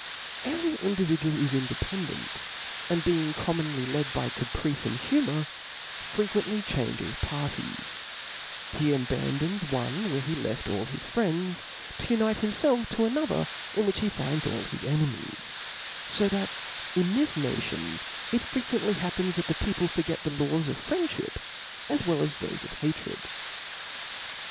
Every individual is independent, and being eom« ilionly led by caprice and humour, fi'equently changes parties ; he abandons one where he left all his friends, to unite himfelf to another in which he finds all his enemies : fo that in this nation it fre quently happens that the people forget the laws of . friendship, as well as thofe of hatred.